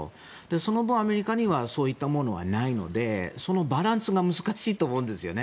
その分、アメリカにはそういったものはないのでそのバランスが難しいと思うんですよね。